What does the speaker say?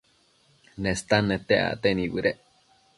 Nestan nete acte nibëdec